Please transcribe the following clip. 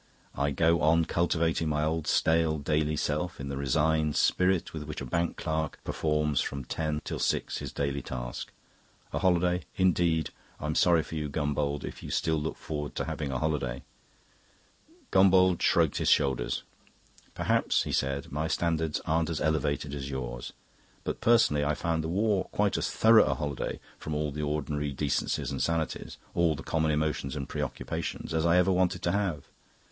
I go on cultivating my old stale daily self in the resigned spirit with which a bank clerk performs from ten till six his daily task. A holiday, indeed! I'm sorry for you, Gombauld, if you still look forward to having a holiday." Gombauld shrugged his shoulders. "Perhaps," he said, "my standards aren't as elevated as yours. But personally I found the war quite as thorough a holiday from all the ordinary decencies and sanities, all the common emotions and preoccupations, as I ever want to have."